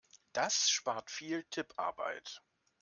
Das spart viel Tipparbeit.